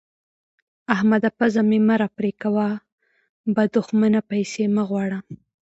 احمده! پزه مې مه راپرې کوه؛ به دوښمنه پيسې مه غواړه.